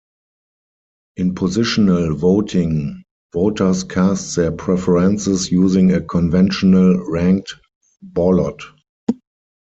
In positional voting, voters cast their preferences using a conventional ranked ballot.